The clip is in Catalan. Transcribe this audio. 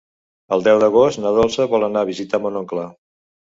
El deu d'agost na Dolça vol anar a visitar mon oncle.